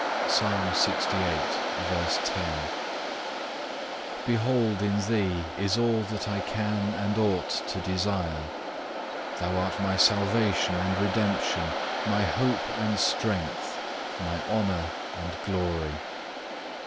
(1) Behold in Thee is all that I can and ought to desire, Thou art my salvation and redemption, my hope and strength, my honour and glory.